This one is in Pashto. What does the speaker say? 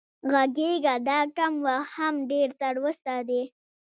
غږېږه دا کم وخت هم ډېر تر اوسه دی